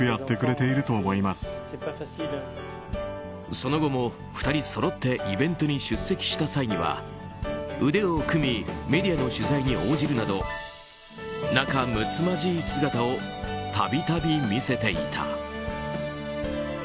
その後も、２人そろってイベントに出席した際には腕を組み、メディアの取材に応じるなど仲むつまじい姿を度々見せていた。